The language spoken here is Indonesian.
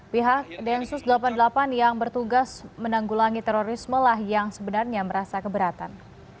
pihak densus delapan puluh delapan yang bertugas menanggulangi terorisme lah yang sebenarnya merasa keberatan